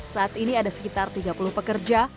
saat ini ada sekitar tiga puluh pekerja